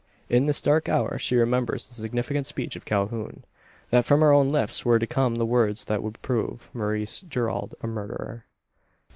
In this dark hour she remembers the significant speech of Calhoun: that from her own lips were to come the words that would prove Maurice Gerald a murderer!